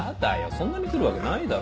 そんなに来るわけないだろ。